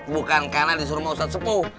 bukan karena disuruh mau ustadz sepuh